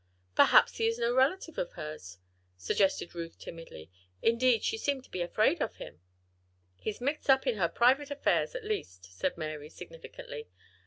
"Perhaps he is no relative or friend of hers," suggested Ruth, timidly. "Indeed, she seemed to be afraid of him." "He's mixed up in her private affairs, at least," said Mary, significantly.